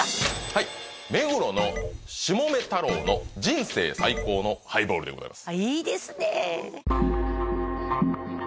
はい目黒のしもめ太郎の人生最高のハイボールでございますいいですね